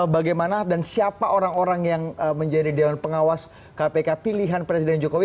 bagaimana dan siapa orang orang yang menjadi dewan pengawas kpk pilihan presiden jokowi